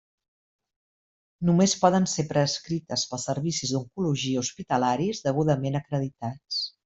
Només poden ser prescrites pels servicis d'oncologia hospitalaris degudament acreditats.